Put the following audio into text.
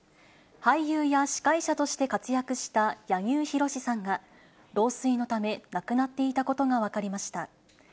俳優や司会者として活躍した柳生博さんが、老衰のため亡くなっていたことが分かりました。